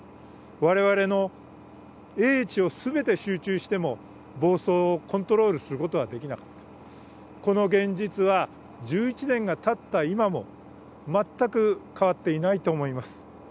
我々の英知を全て集中しても暴走をコントロールすることはできなかった、この現実は、１１年がたった今も全く変わっていないと思います。